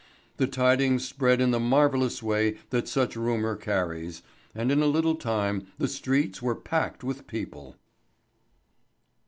The tidings spread in the marvellous way that such rumour carries, and in a little time the streets were packed with people.